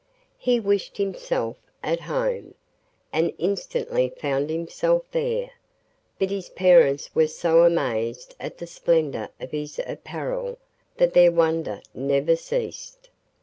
He wished himself at home, and instantly found himself there; but his parents were so amazed at the splendour of his apparel that their wonder never ceased.